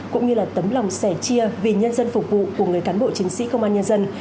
cũng như là tấm lòng sẻ chia vì nhân dân phục vụ của người cán bộ chiến sĩ công an nhân dân